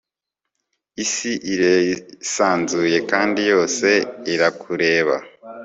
isi irisanzuye kandi yose irakureba